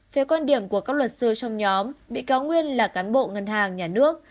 về quan điểm của các luật sư trong nhóm bị cáo nguyên là cán bộ ngân hàng nhà nước